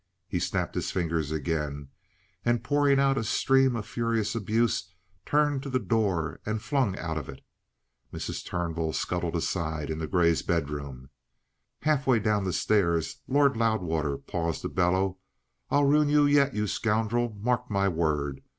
He snapped his fingers again, and, pouring out a stream of furious abuse, turned to the door and flung out of it. Mrs. Turnbull scuttled aside into Grey's bedroom. Half way down the stairs Lord Loudwater paused to bellow: "I'll ruin you yet, you scoundrel! Mark my word!